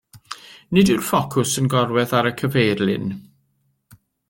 Nid yw'r ffocws yn gorwedd ar y cyfeirlin.